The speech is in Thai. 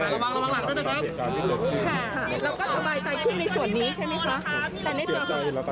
เราก็สบายใจขึ้นในส่วนนี้ใช่ไหมครับ